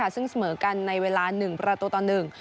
ซึ่งเสมอกันในเวลา๑ประตูต่อ๑